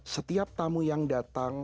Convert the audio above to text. setiap tamu yang datang